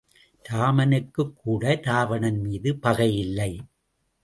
இராமனுக்குக் கூட இராவணன் மீது பகை இல்லை.